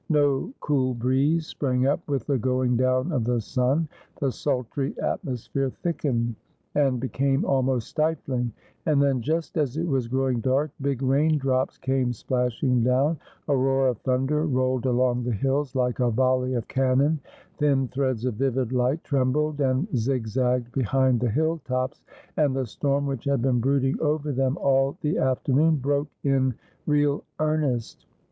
No cool breeze sprang up with the going down of the sun. The sultry atmosphere thickened, and be came almost stifling ; and then, just as it was growing dark, Ijig raindrops came splashing down, a roar of thund( r rolled along the hills, like a volley of cannon ; thin threads of vivid light trembled and zigzagged behind the hill tops, and the storm which had been brooding over them all the afternoon broke in real earnest.